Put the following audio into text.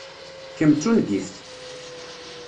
Kemm d tungift!